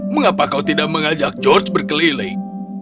mengapa kau tidak mengajak george berkeliling